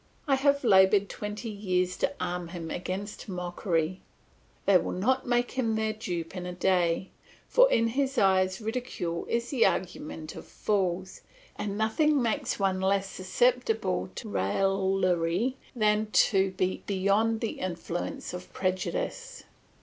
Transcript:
I have laboured twenty years to arm him against mockery; they will not make him their dupe in a day; for in his eyes ridicule is the argument of fools, and nothing makes one less susceptible to raillery than to be beyond the influence of prejudice.